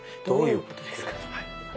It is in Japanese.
どういうことですか？